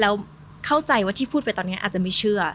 แล้วเข้าใจว่าที่พูดไปตอนนี้อาจจะไม่เชื่อ